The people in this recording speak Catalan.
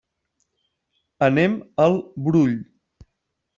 Anem al Brull.